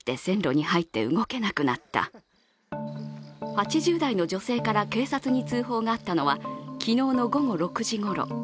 ８０代の女性から警察に通報があったのは昨日の午後６時ごろ。